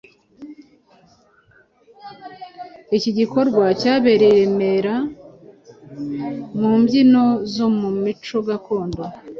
Iki gikorwa cyabereye i Remera. Mu mbyino zo mu mico gakondo